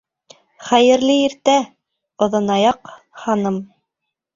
— Хәйерле иртә, Оҙонаяҡ ханым!